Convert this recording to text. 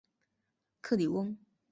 克里翁。